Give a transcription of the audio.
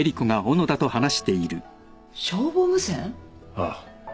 ああ。